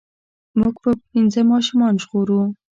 مونږ به پنځه ماشومان ژغورو.